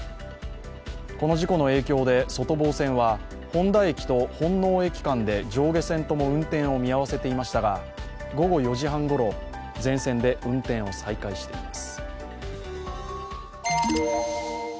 この事故の影響で外房線は誉田駅と本納駅間で上下線とも運転を見合わせていましたが、午後４時半ごろ、全線で運転を再開しています。